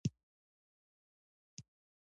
سخته مې خوا بده وه.